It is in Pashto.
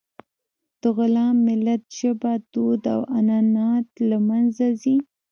د غلام ملت ژبه، دود او عنعنات له منځه ځي.